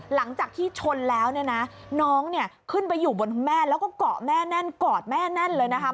หลังจากที่ชนแล้วเนี่ยนะน้องเนี่ยขึ้นไปอยู่บนแม่แล้วก็เกาะแม่แน่นกอดแม่แน่นเลยนะคะ